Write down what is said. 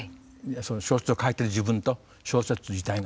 小説を書いてる自分と小説自体が。